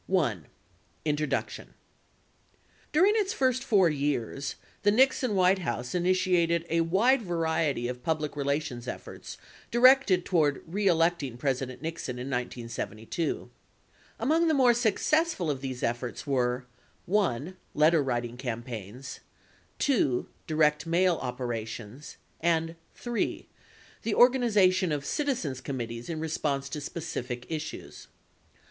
INTRODUCTION During its first 4 years, the Nixon White House initiated a wide variety of public relations efforts directed toward reelecting President Nixon in 1972. Among the more successful of these efforts were: (1) Letterwriting campaigns; (2) direct mail operations; and (3) the organization of citizens' committees in response to specific issues.